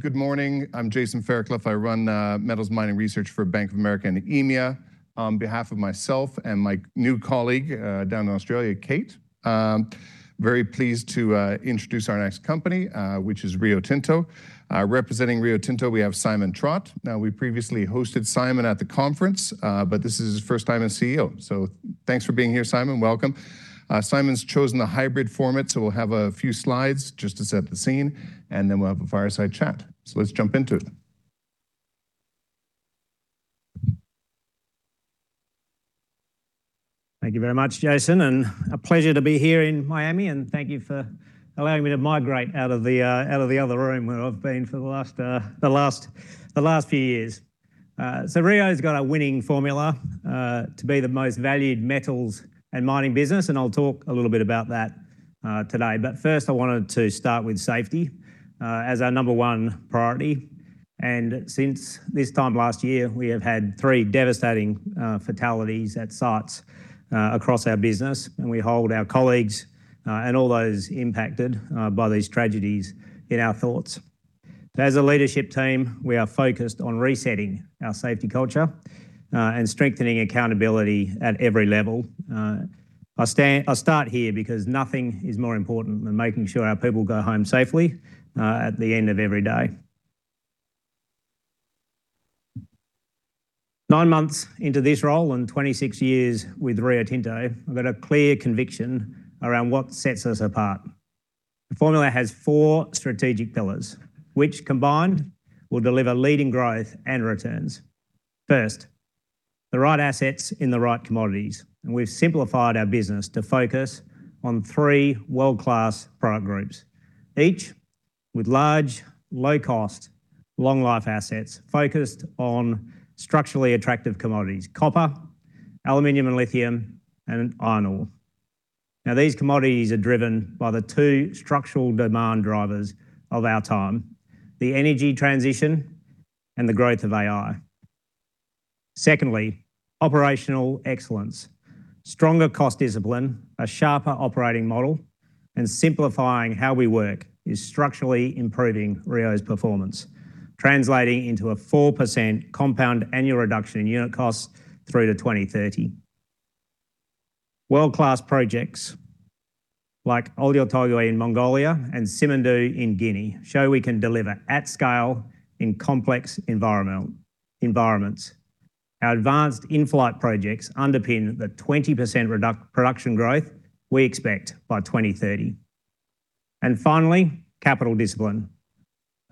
Good morning. I'm Jason Fairclough. I run metals mining research for Bank of America and EMEA. On behalf of myself and my new colleague, down in Australia, Kate, very pleased to introduce our next company, which is Rio Tinto. Representing Rio Tinto, we have Simon Trott. We previously hosted Simon at the conference, but this is his first time as CEO. Thanks for being here, Simon. Welcome. Simon's chosen a hybrid format, we'll have a few slides just to set the scene, we'll have a fireside chat. Let's jump into it. Thank you very much, Jason. A pleasure to be here in Miami. Thank you for allowing me to migrate out of the other room where I've been for the last few years. Rio's got a winning formula to be the most valued metals and mining business, and I'll talk a little bit about that today. First I wanted to start with safety as our number one priority. Since this time last year, we have had three devastating fatalities at sites across our business, and we hold our colleagues and all those impacted by these tragedies in our thoughts. As a leadership team, we are focused on resetting our safety culture and strengthening accountability at every level. I'll start here because nothing is more important than making sure our people go home safely at the end of every day. Nine months into this role and 26 years with Rio Tinto, I've got a clear conviction around what sets us apart. The formula has four strategic pillars, which combined will deliver leading growth and returns. First, the right assets in the right commodities. We've simplified our business to focus on three world-class product groups, each with large, low-cost, long-life assets focused on structurally attractive commodities: copper, aluminum and lithium, and iron ore. These commodities are driven by the two structural demand drivers of our time, the energy transition and the growth of AI. Secondly, operational excellence. Stronger cost discipline, a sharper operating model, and simplifying how we work is structurally improving Rio's performance, translating into a 4% compound annual reduction in unit costs through to 2030. World-class projects like Oyu Tolgoi in Mongolia and Simandou in Guinea show we can deliver at scale in complex environments. Our advanced in-flight projects underpin the 20% production growth we expect by 2030. Finally, capital discipline.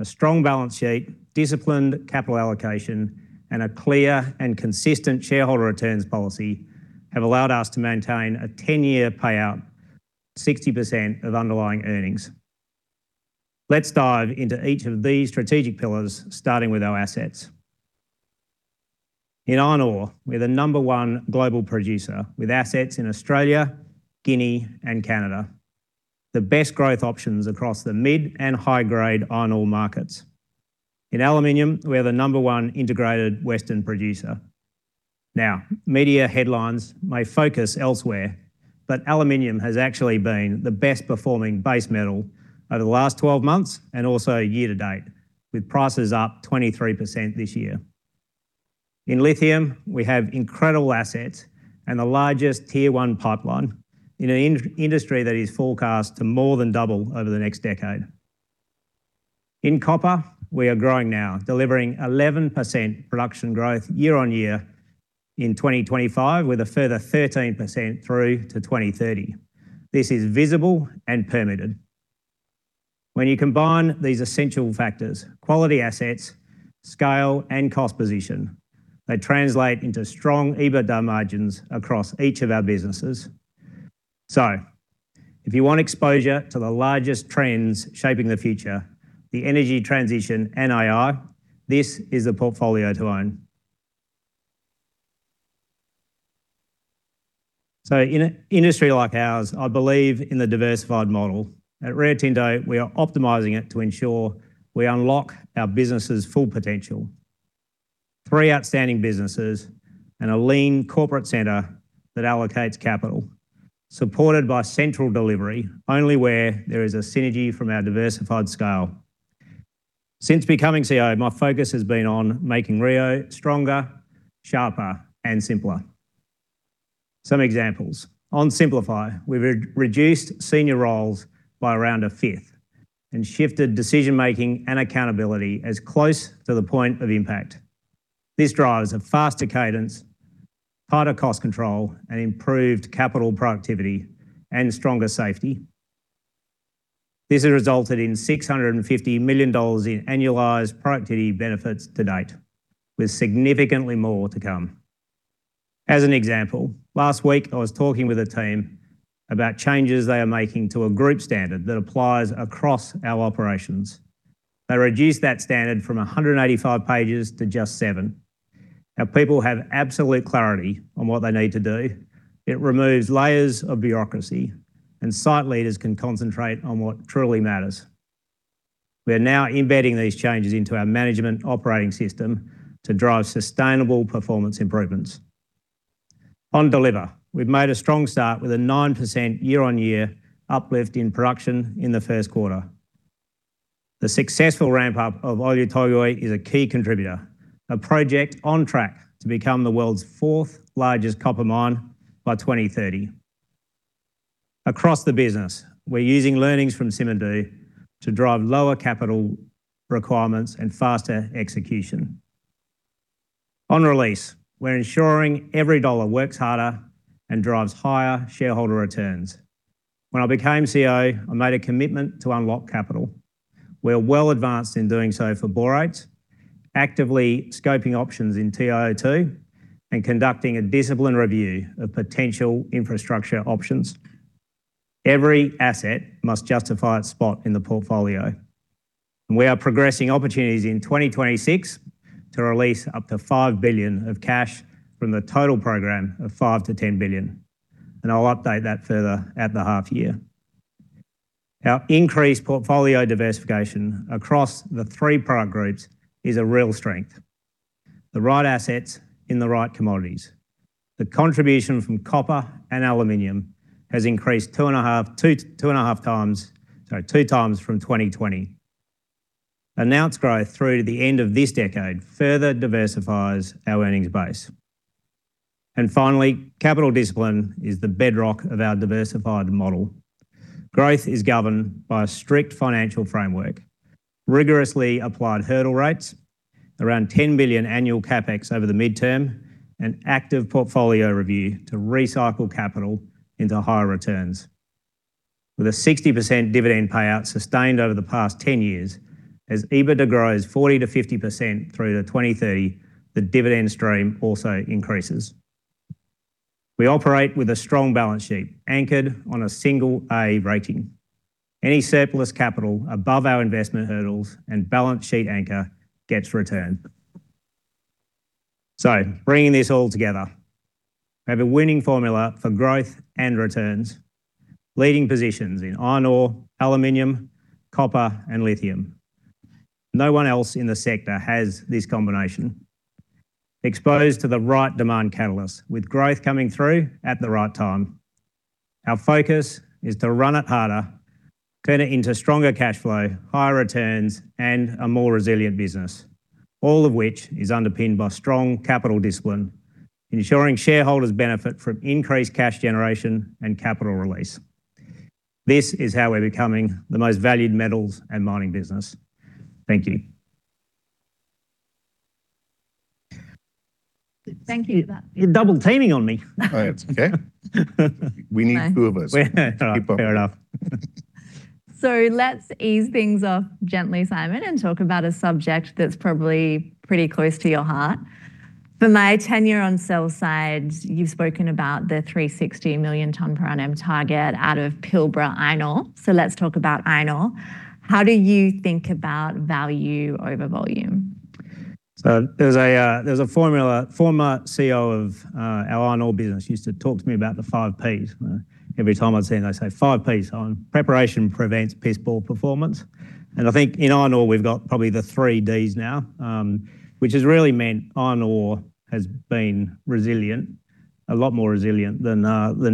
A strong balance sheet, disciplined capital allocation, and a clear and consistent shareholder returns policy have allowed us to maintain a 10-year payout, 60% of underlying earnings. Let's dive into each of these strategic pillars, starting with our assets. In iron ore, we're the number 1 global producer with assets in Australia, Guinea, and Canada. The best growth options across the mid and high-grade iron ore markets. In aluminum, we are the number 1 integrated Western producer. Media headlines may focus elsewhere, but aluminum has actually been the best performing base metal over the last 12 months and also year-to-date, with prices up 23% this year. In lithium, we have incredible assets and the largest tier 1 pipeline in an industry that is forecast to more than double over the next decade. In copper, we are growing now, delivering 11% production growth year-on-year in 2025, with a further 13% through to 2030. This is visible and permitted. When you combine these essential factors, quality assets, scale, and cost position, they translate into strong EBITDA margins across each of our businesses. If you want exposure to the largest trends shaping the future, the energy transition and AI, this is the portfolio to own. In an industry like ours, I believe in the diversified model. At Rio Tinto, we are optimizing it to ensure we unlock our business' full potential. Three outstanding businesses and a lean corporate center that allocates capital, supported by central delivery only where there is a synergy from our diversified scale. Since becoming CEO, my focus has been on making Rio stronger, sharper, and simpler. Some examples. On simplify, we've reduced senior roles by around a fifth and shifted decision-making and accountability as close to the point of impact. This drives a faster cadence, tighter cost control, and improved capital productivity and stronger safety. This has resulted in $650 million in annualized productivity benefits to date, with significantly more to come. As an example, last week, I was talking with a team about changes they are making to a group standard that applies across our operations. They reduced that standard from 185 pages to just 7. People have absolute clarity on what they need to do. It removes layers of bureaucracy, and site leaders can concentrate on what truly matters. We're now embedding these changes into our management operating system to drive sustainable performance improvements. On deliver, we've made a strong start with a 9% year-on-year uplift in production in the first quarter. The successful ramp up of Oyu Tolgoi is a key contributor, a project on track to become the world's fourth largest copper mine by 2030. Across the business, we're using learnings from Simandou to drive lower capital requirements and faster execution. On release, we're ensuring every dollar works harder and drives higher shareholder returns. When I became CEO, I made a commitment to unlock capital. We're well advanced in doing so for borates, actively scoping options in TiO2, and conducting a disciplined review of potential infrastructure options. Every asset must justify its spot in the portfolio. We are progressing opportunities in 2026 to release up to $5 billion of cash from the total program of $5 billion-$10 billion, and I'll update that further at the half year. Our increased portfolio diversification across the 3 product groups is a real strength. The right assets in the right commodities. The contribution from copper and aluminum has increased 2 and a half times, sorry, 2 times from 2020. Announced growth through to the end of this decade further diversifies our earnings base. Finally, capital discipline is the bedrock of our diversified model. Growth is governed by a strict financial framework, rigorously applied hurdle rates, around $10 billion annual CapEx over the midterm, and active portfolio review to recycle capital into higher returns. With a 60% dividend payout sustained over the past 10 years, as EBITDA grows 40%-50% through to 2030, the dividend stream also increases. We operate with a strong balance sheet anchored on a single A rating. Any surplus capital above our investment hurdles and balance sheet anchor gets returned. Bringing this all together, we have a winning formula for growth and returns, leading positions in iron ore, aluminum, copper and lithium. No one else in the sector has this combination. Exposed to the right demand catalysts with growth coming through at the right time. Our focus is to run it harder, turn it into stronger cash flow, higher returns, and a more resilient business. All of which is underpinned by strong capital discipline, ensuring shareholders benefit from increased cash generation and capital release. This is how we're becoming the most valued metals and mining business. Thank you. Thank you. You're double teaming on me. Oh, it's okay. We need 2 of us. Fair enough. Keep up. Let's ease things off gently, Simon, and talk about a subject that's probably pretty close to your heart. For my tenure on sales side, you've spoken about the 360 million ton per annum target out of Pilbara iron ore. Let's talk about iron ore. How do you think about value over volume? There's a formula. Former CEO of our iron ore business used to talk to me about the five Ps. Every time I'd see him, they'd say, "Five Ps, Simon. Preparation prevents piss poor performance." I think in iron ore, we've got probably the three Ds now, which has really meant iron ore has been resilient, a lot more resilient than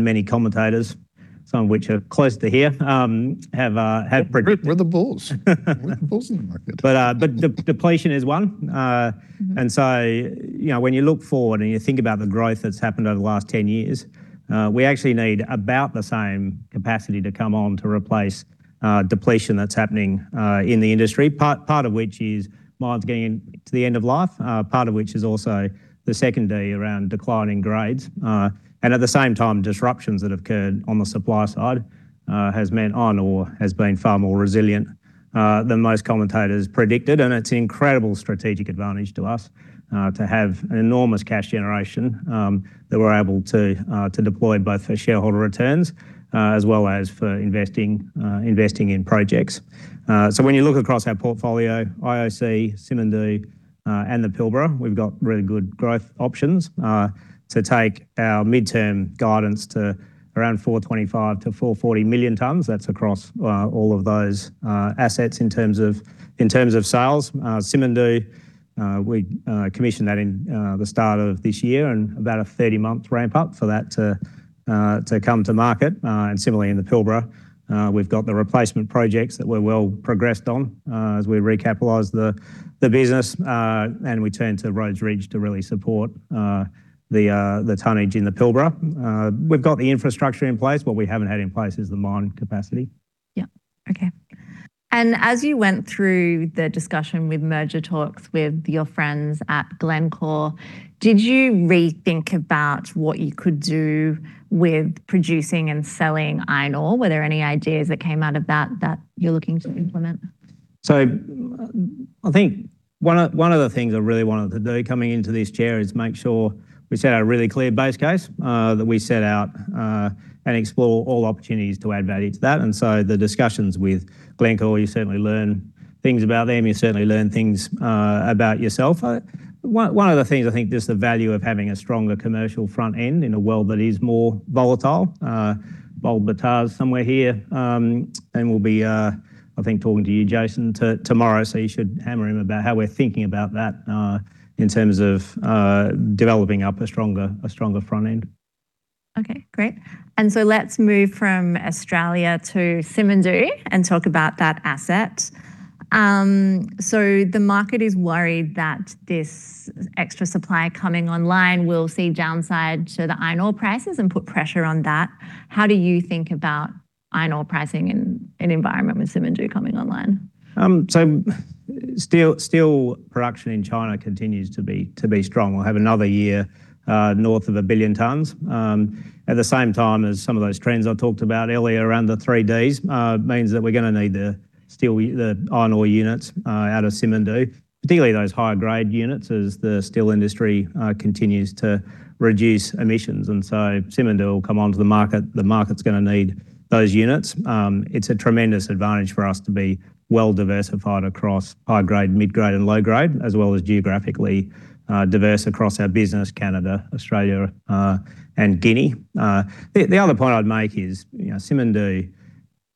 many commentators, some of which are close to here, have predicted. We're the bulls. We're the bulls in the market. Depletion is one. You know, when you look forward and you think about the growth that's happened over the last 10 years, we actually need about the same capacity to come on to replace depletion that's happening in the industry. Part of which is mines getting to the end of life, part of which is also the second D around declining grades. At the same time, disruptions that occurred on the supply side has meant iron ore has been far more resilient than most commentators predicted. It's incredible strategic advantage to us to have an enormous cash generation that we're able to deploy both for shareholder returns as well as for investing in projects. When you look across our portfolio, IOC, Simandou, and the Pilbara, we've got really good growth options to take our midterm guidance to around 425-440 million tons. That's across all of those assets in terms of sales. Simandou, we commissioned that in the start of this year and about a 30-month ramp up for that to come to market. Similarly in the Pilbara, we've got the replacement projects that we're well progressed on as we recapitalize the business, and we turn to Rhodes Ridge to really support the tonnage in the Pilbara. We've got the infrastructure in place. What we haven't had in place is the mine capacity. Yeah. Okay. As you went through the discussion with merger talks with your friends at Glencore, did you rethink about what you could do with producing and selling iron ore? Were there any ideas that came out of that you're looking to implement? I think one of the things I really wanted to do coming into this chair is make sure we set a really clear base case, that we set out and explore all opportunities to add value to that. The discussions with Glencore, you certainly learn things about them, you certainly learn things about yourself. One of the things, I think just the value of having a stronger commercial front end in a world that is more volatile. Bob Batarseh's somewhere here, and we'll be, I think talking to you, Jason, tomorrow, so you should hammer him about how we're thinking about that, in terms of developing up a stronger front end. Okay, great. Let's move from Australia to Simandou and talk about that asset. The market is worried that this extra supply coming online will see downside to the iron ore prices and put pressure on that. How do you think about iron ore pricing in environment with Simandou coming online? Steel production in China continues to be strong. We'll have another year, north of 1 billion tons. At the same time, as some of those trends I talked about earlier around the three Ds, means that we're gonna need the iron ore units out of Simandou, particularly those higher grade units as the steel industry continues to reduce emissions. Simandou will come onto the market. The market's gonna need those units. It's a tremendous advantage for us to be well-diversified across high grade, mid-grade, and low grade, as well as geographically diverse across our business, Canada, Australia, and Guinea. The other point I'd make is, you know, Simandou,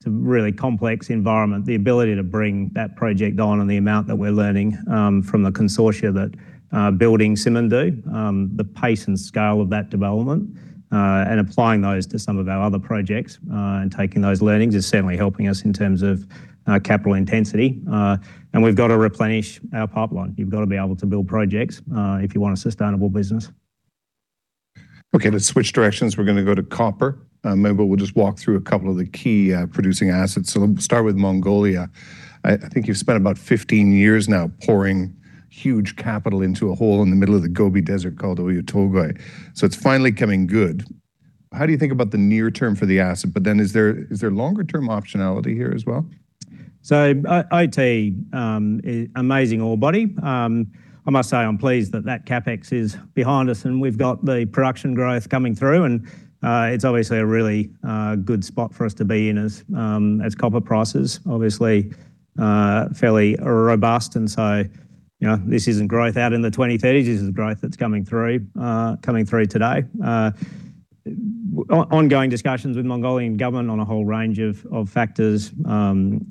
it's a really complex environment. The ability to bring that project on and the amount that we're learning from the consortia that building Simandou, the pace and scale of that development, and applying those to some of our other projects, and taking those learnings is certainly helping us in terms of capital intensity. We've got to replenish our pipeline. You've got to be able to build projects if you want a sustainable business. Let's switch directions. We're gonna go to copper. Maybe we'll just walk through a couple of the key producing assets. We'll start with Mongolia. I think you've spent about 15 years now pouring huge capital into a hole in the middle of the Gobi Desert called Oyu Tolgoi. It's finally coming good. How do you think about the near term for the asset? Is there longer term optionality here as well? OT, amazing ore body. I must say, I'm pleased that that CapEx is behind us, we've got the production growth coming through, it's obviously a really good spot for us to be in as copper prices obviously fairly are robust. You know, this isn't growth out in the 2030s. This is growth that's coming through, coming through today. Ongoing discussions with Mongolian government on a whole range of factors, the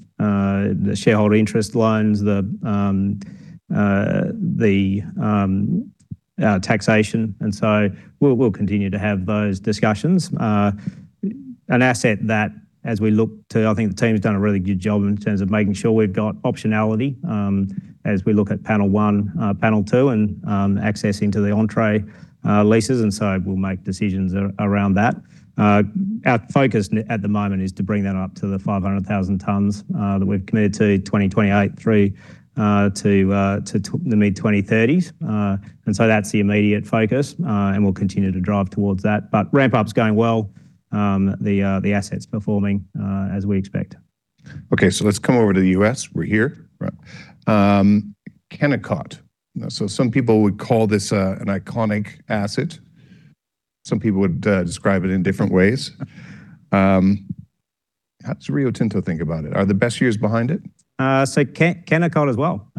shareholder interest loans, the taxation. We'll continue to have those discussions. An asset that I think the team's done a really good job in terms of making sure we've got optionality as we look at panel one, panel two, accessing to the Entrée leases. We'll make decisions around that. Our focus at the moment is to bring that up to the 500,000 tons that we've committed to 2028 3 to the mid-2030s. That's the immediate focus, and we'll continue to drive towards that. Ramp-up's going well. The asset's performing as we expect. Okay, let's come over to the U.S. We're here. Right. Kennecott. Some people would call this an iconic asset. Some people would describe it in different ways. How does Rio Tinto think about it? Are the best years behind it? Kennecott as well.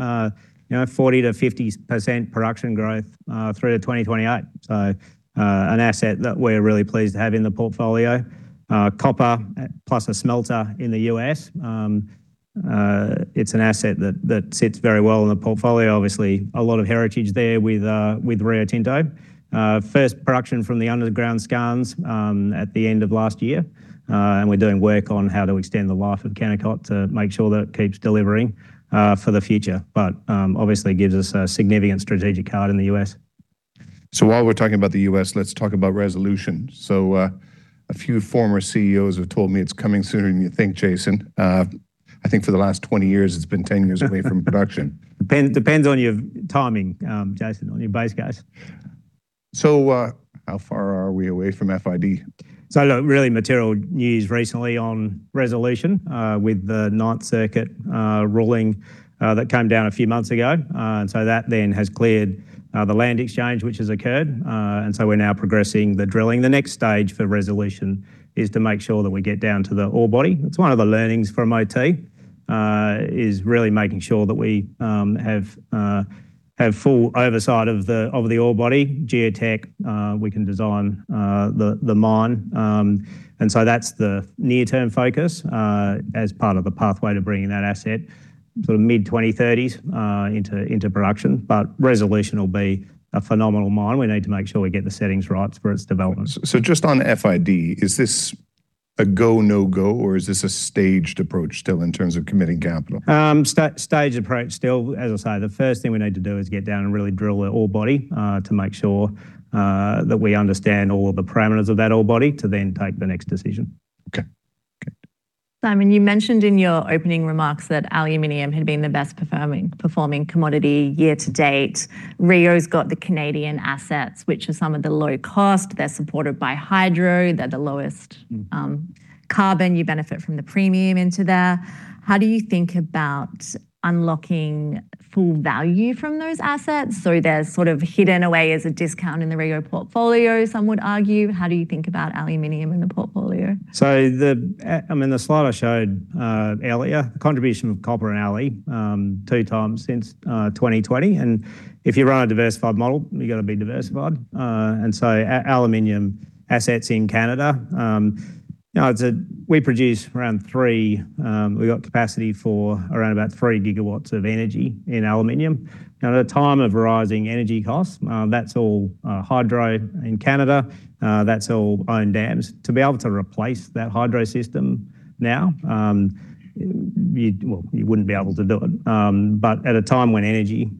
You know, 40%-50% production growth through to 2028. An asset that we're really pleased to have in the portfolio. Copper plus a smelter in the U.S., it's an asset that sits very well in the portfolio. Obviously, a lot of heritage there with Rio Tinto. First production from the underground skarn at the end of last year. We're doing work on how to extend the life of Kennecott to make sure that it keeps delivering for the future. Obviously gives us a significant strategic card in the U.S. While we're talking about the U.S., let's talk about Resolution. A few former CEOs have told me it's coming sooner than you think, Jason. I think for the last 20 years, it's been 10 years away from production. Depends on your timing, Jason, on your base case. How far are we away from FID? Really material news recently on Resolution, with the Ninth Circuit ruling that came down a few months ago. That then has cleared the land exchange which has occurred. We're now progressing the drilling. The next stage for Resolution is to make sure that we get down to the ore body. It's one of the learnings from OT, is really making sure that we have full oversight of the ore body, geotech, we can design the mine. That's the near-term focus as part of the pathway to bringing that asset sort of mid-2030s into production. Resolution will be a phenomenal mine. We need to make sure we get the settings right for its development. Just on FID, is this a go, no-go, or is this a staged approach still in terms of committing capital? Staged approach still. As I say, the first thing we need to do is get down and really drill the ore body, to make sure that we understand all of the parameters of that ore body to then take the next decision. Okay. Good. Simon, you mentioned in your opening remarks that aluminum had been the best performing commodity year to date. Rio's got the Canadian assets, which are some of the low cost. They're supported by hydro. Carbon. You benefit from the premium into there. How do you think about unlocking full value from those assets? They're sort of hidden away as a discount in the Rio portfolio, some would argue. How do you think about aluminum in the portfolio? I mean, the slide I showed earlier, the contribution of copper and aluminum, two times since 2020. If you run a diversified model, you gotta be diversified. aluminum assets in Canada, We produce around three, we've got capacity for around about three gigawatts of energy in aluminum. Now, at a time of rising energy costs, that's all hydro in Canada, that's all owned dams. To be able to replace that hydro system now, well, you wouldn't be able to do it. At a time when energy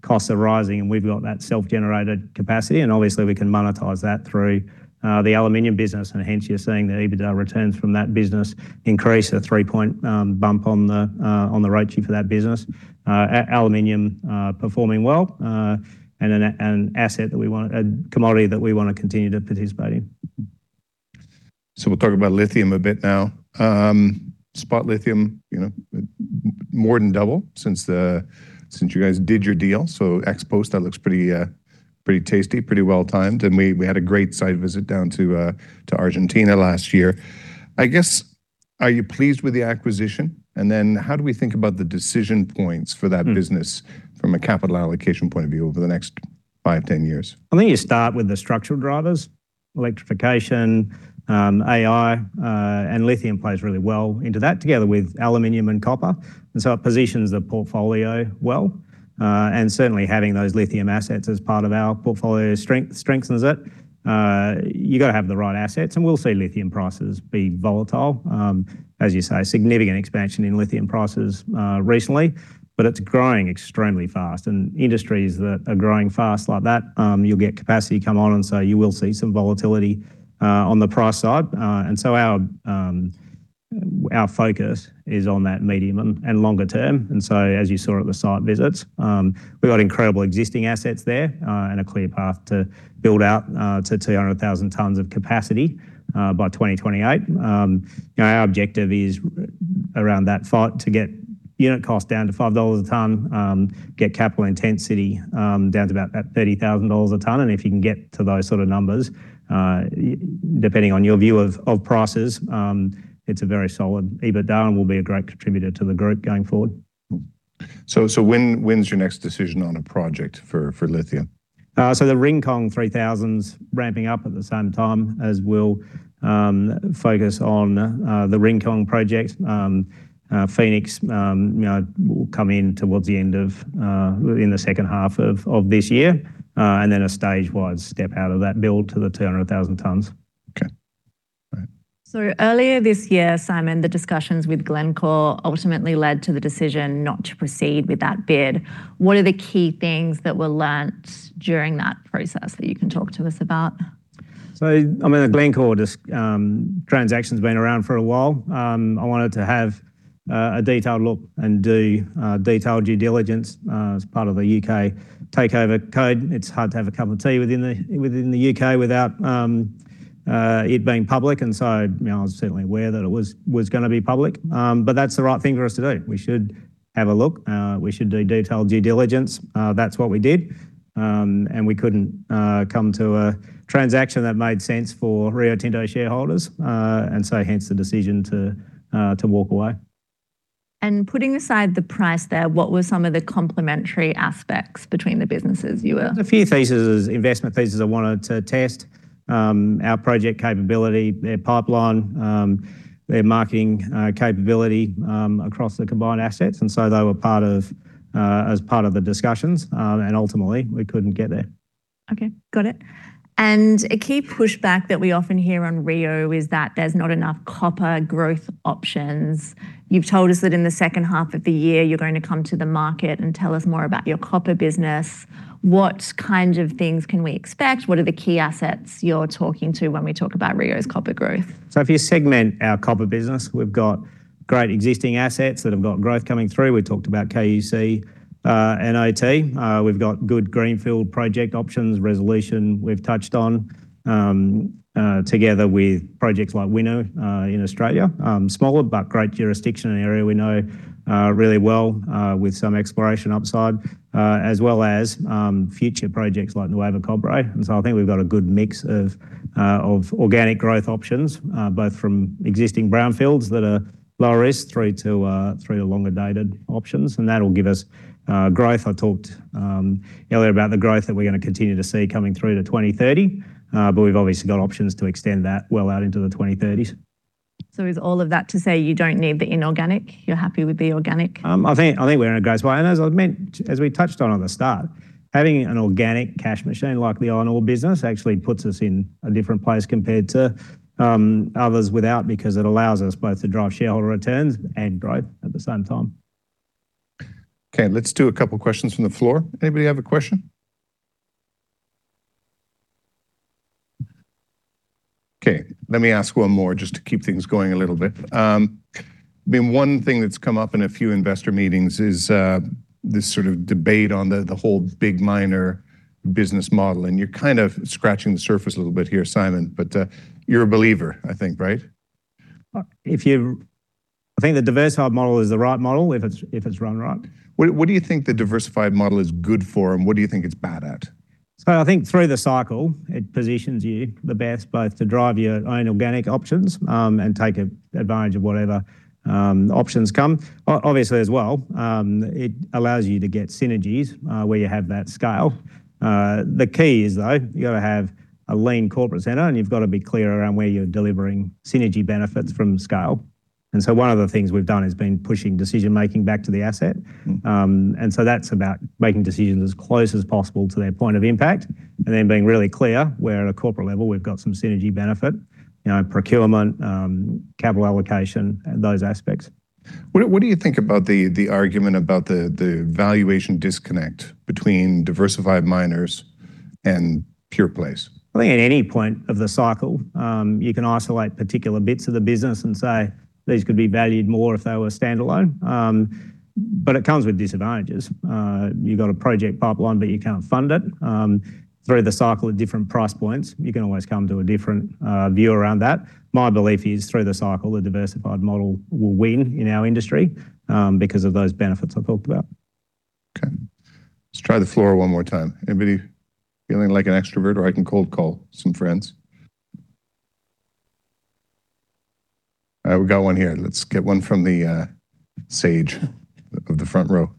costs are rising and we've got that self-generated capacity, and obviously we can monetize that through the aluminum business, and hence you're seeing the EBITDA returns from that business increase a 3-point bump on the rate sheet for that business. Aluminum performing well, and a commodity that we want to continue to participate in. We'll talk about lithium a bit now. Spot lithium, you know, more than double since the, since you guys did your deal. Ex-post, that looks pretty tasty, pretty well-timed. We had a great site visit down to Argentina last year. I guess, are you pleased with the acquisition? How do we think about the decision points for that business from a capital allocation point of view over the next 5, 10 years? I think you start with the structural drivers, electrification, AI, and lithium plays really well into that together with aluminum and copper. It positions the portfolio well. Certainly having those lithium assets as part of our portfolio strength strengthens it. You gotta have the right assets, and we'll see lithium prices be volatile. As you say, significant expansion in lithium prices recently, but it's growing extremely fast. Industries that are growing fast like that, you'll get capacity come on, and so you will see some volatility on the price side. Our focus is on that medium and longer term. As you saw at the site visits, we've got incredible existing assets there, and a clear path to build out to 200,000 tons of capacity by 2028. You know, our objective is around that five to get unit cost down to $5 a ton, get capital intensity down to about that $30,000 a ton. If you can get to those sort of numbers, depending on your view of prices, it's a very solid. EBITDA will be a great contributor to the group going forward. When's your next decision on a project for lithium? The Rincon 3,000's ramping up at the same time as we'll focus on the Rincon project. Phoenix, you know, will come in towards the end of, in the second half of this year, and then a stage-wide step out of that build to the 200,000 tons. Okay. Right. Earlier this year, Simon, the discussions with Glencore ultimately led to the decision not to proceed with that bid. What are the key things that were learned during that process that you can talk to us about? I mean, the Glencore transaction's been around for a while. I wanted to have a detailed look and do detailed due diligence as part of the U.K. Takeover Code. It's hard to have a cup of tea within the U.K. without it being public. You know, I was certainly aware that it was gonna be public. That's the right thing for us to do. We should have a look. We should do detailed due diligence. That's what we did. We couldn't come to a transaction that made sense for Rio Tinto shareholders, hence the decision to walk away. Putting aside the price there, what were some of the complementary aspects between the businesses? A few thesis, investment thesis I wanted to test, our project capability, their pipeline, their marketing capability, across the combined assets. So they were part of, as part of the discussions. Ultimately, we couldn't get there. Okay. Got it. A key pushback that we often hear on Rio is that there's not enough copper growth options. You've told us that in the second half of the year, you're going to come to the market and tell us more about your copper business. What kind of things can we expect? What are the key assets you're talking to when we talk about Rio's copper growth? If you segment our copper business, we've got great existing assets that have got growth coming through. We talked about KUC and OT. We've got good greenfield project options, Resolution Copper we've touched on, together with projects like Winu in Australia. Smaller but great jurisdiction, an area we know really well, with some exploration upside, as well as future projects like Nuevo Cobre. I think we've got a good mix of organic growth options, both from existing brownfields that are lower risk through to longer-dated options, and that'll give us growth. I talked earlier about the growth that we're gonna continue to see coming through to 2030, but we've obviously got options to extend that well out into the 2030s. Is all of that to say you don't need the inorganic? You're happy with the organic? I think we're in a great spot. As we touched on on the start, having an organic cash machine like the iron ore business actually puts us in a different place compared to others without because it allows us both to drive shareholder returns and growth at the same time. Okay, let's do a couple questions from the floor. Anybody have a question? Okay, let me ask one more just to keep things going a little bit. I mean, one thing that's come up in a few investor meetings is, this sort of debate on the whole big miner business model, and you're kind of scratching the surface a little bit here, Simon, but, you're a believer, I think, right? I think the diversified model is the right model if it's, if it's run right. What do you think the diversified model is good for, and what do you think it's bad at? I think through the cycle, it positions you the best both to drive your own organic options, and take a advantage of whatever options come. Obviously as well, it allows you to get synergies where you have that scale. The key is, though, you gotta have a lean corporate center, and you've got to be clear around where you're delivering synergy benefits from scale. One of the things we've done has been pushing decision-making back to the asset. That's about making decisions as close as possible to their point of impact, and then being really clear where at a corporate level we've got some synergy benefit, you know, in procurement, capital allocation, those aspects. What do you think about the argument about the valuation disconnect between diversified miners and pure plays? I think at any point of the cycle, you can isolate particular bits of the business and say, "These could be valued more if they were standalone." It comes with disadvantages. You've got a project pipeline, you can't fund it. Through the cycle at different price points, you can always come to a different view around that. My belief is through the cycle, the diversified model will win in our industry, because of those benefits I've talked about. Okay. Let's try the floor one more time. Anybody feeling like an extrovert, or I can cold call some friends? All right, we've got one here. Let's get one from the sage of the front row.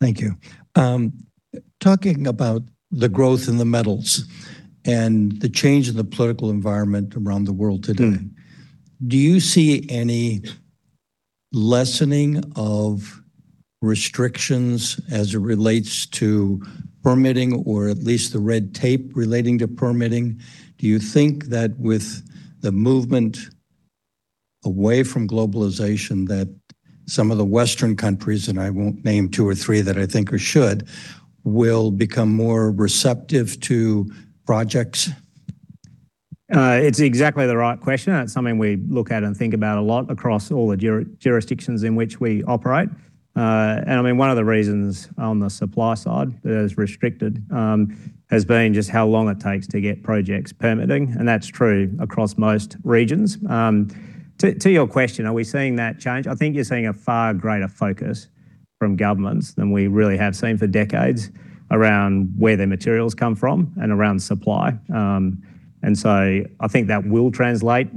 Thank you. Talking about the growth in the metals and the change in the political environment around the world today. Do you see any lessening of restrictions as it relates to permitting or at least the red tape relating to permitting? Do you think that with the movement away from globalization, that some of the Western countries, and I won't name two or three that I think or should, will become more receptive to projects? It's exactly the right question. It's something we look at and think about a lot across all the jurisdictions in which we operate. I mean, one of the reasons on the supply side that is restricted, has been just how long it takes to get projects permitting, and that's true across most regions. To your question, are we seeing that change? I think you're seeing a far greater focus from governments than we really have seen for decades around where their materials come from and around supply. I think that will translate.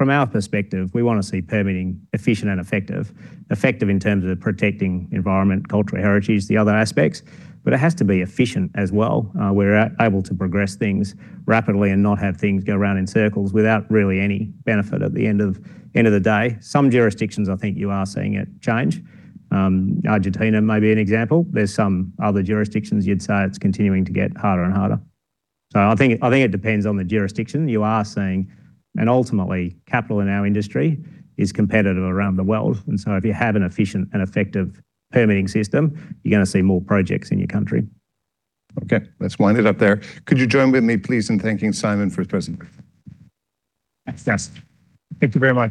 From our perspective, we wanna see permitting efficient and effective. Effective in terms of protecting environment, cultural heritage, the other aspects, but it has to be efficient as well. We're able to progress things rapidly and not have things go around in circles without really any benefit at the end of the day. Some jurisdictions, I think you are seeing it change. Argentina may be an example. There's some other jurisdictions you'd say it's continuing to get harder and harder. I think it depends on the jurisdiction. Ultimately, capital in our industry is competitive around the world. If you have an efficient and effective permitting system, you're gonna see more projects in your country. Okay. Let's wind it up there. Could you join with me, please, in thanking Simon for his presentation? Thanks, guys. Thank you very much.